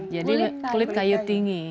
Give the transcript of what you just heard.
jadi kulit kayu tinggi